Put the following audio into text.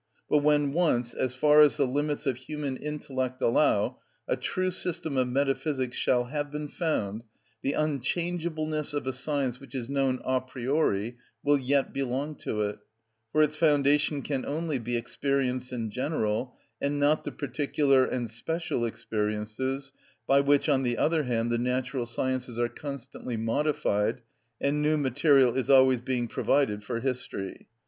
But when once, as far as the limits of human intellect allow, a true system of metaphysics shall have been found, the unchangeableness of a science which is known a priori will yet belong to it; for its foundation can only be experience in general, and not the particular and special experiences by which, on the other hand, the natural sciences are constantly modified and new material is always being provided for history.